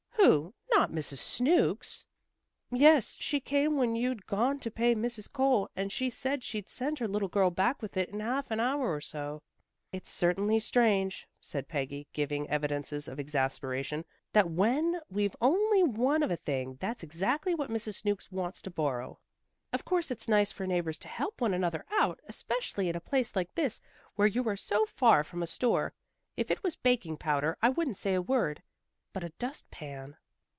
"Who? Not Mrs Snooks?" "Yes, she came when you'd gone to pay Mrs. Cole, and she said she'd send her little girl back with it in half an hour or so." "It's certainly strange," said Peggy, giving evidences of exasperation, "that when we've only one of a thing, that's exactly what Mrs. Snooks wants to borrow. Of course it's nice for neighbors to help one another out, especially in a place like this where you are so far from a store. If it was baking powder, I wouldn't say a word. But a dustpan."